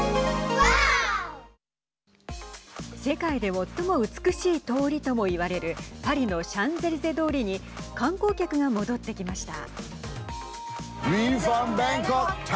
世界で最も美しい通りともいわれるパリのシャンゼリゼ通りに観光客が戻ってきました。